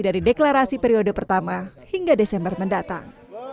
dari deklarasi periode pertama hingga desember mendatang